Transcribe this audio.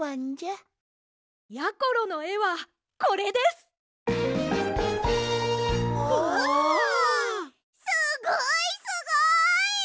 すごいすごい！